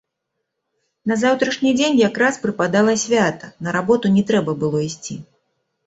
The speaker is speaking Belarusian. На заўтрашні дзень якраз прыпадала свята, на работу не трэба было ісці.